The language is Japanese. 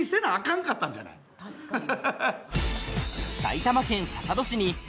確かに。